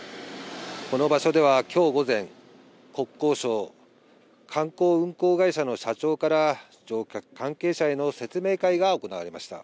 この場所では、きょう午前、国交省、観光運航会社の社長から関係者への説明会が行われました。